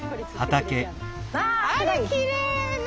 あらっきれいな。